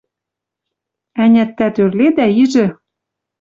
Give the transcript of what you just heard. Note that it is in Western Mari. Ӓнят, тӓ тӧрледӓ ижӹ...